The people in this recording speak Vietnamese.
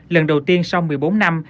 lần đầu tiên sau một mươi bốn năm